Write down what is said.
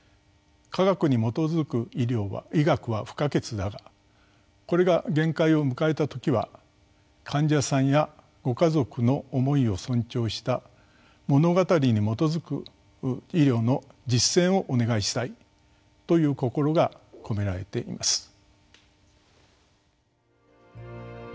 「科学に基づく医学」は不可欠だがこれが限界を迎えた時は患者さんやご家族の思いを尊重した「物語に基づく医療」の実践をお願いしたいという心が込められています。